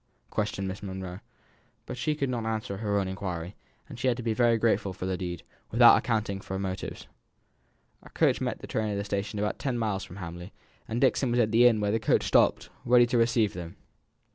questioned Miss Monro; but she could not answer her own inquiry, and had to be very grateful for the deed, without accounting for the motives. A coach met the train at a station about ten miles from Hamley, and Dixon was at the inn where the coach stopped, ready to receive them.